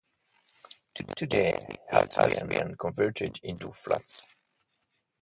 Today it has been converted into flats.